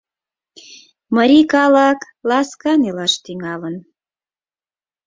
Марий калык ласкан илаш тӱҥалын.